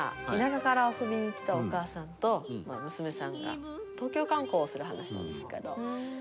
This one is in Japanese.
田舎から遊びに来たお母さんと娘さんが東京観光をする話なんですけど。